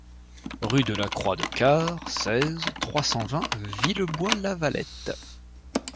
Rue de la Croix de Quart, seize, trois cent vingt Villebois-Lavalette